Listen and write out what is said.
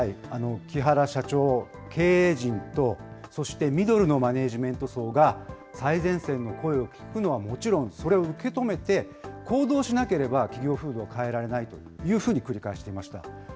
木原社長、経営陣と、そしてミドルのマネージメント層が最前線の声を聞くのはもちろん、それを受け止めて、行動しなければ企業風土を変えられないというふうに繰り返していました。